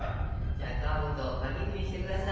じゃあ皮ごと輪切りにして下さい。